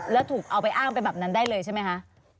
แล้วถูกเอาไปอ้างเป็นแบบนั้นได้เลยใช่ไหมคะ